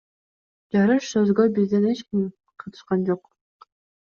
Жарыш сөзгө бизден эч ким катышкан жок.